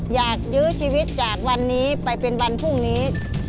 ยื้อชีวิตจากวันนี้ไปเป็นวันพรุ่งนี้